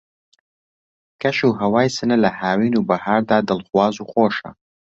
کەش و ھەوای سنە لە ھاوین و بەھار دا دڵخواز و خۆشە